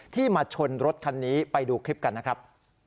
มาชนรถคันนี้ไปดูคลิปกันนะครับ